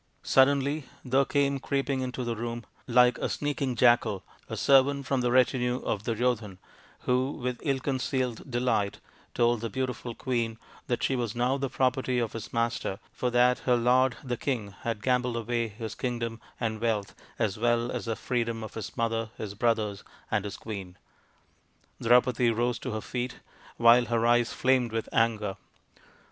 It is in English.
Suddenly there came creeping into the room, like a sneaking jackal, a servant from the retinue of Duryodhan, who, with ill concealed de light, told the beautiful queen that she was now the property of his master, for that her lord the king had gambled away his kingdom and wealth, as well as the freedom of his mother, his brothers, and his queen. Draupadi rose to her feet, while her eyes flamed with anger.